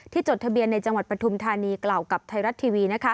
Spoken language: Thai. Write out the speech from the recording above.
จดทะเบียนในจังหวัดปฐุมธานีกล่าวกับไทยรัฐทีวี